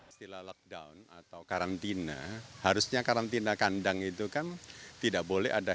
hai sila lockdown atau karantina harusnya karantina kandang itu kan tidak boleh ada